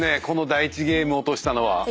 この第１ゲーム落としたのは。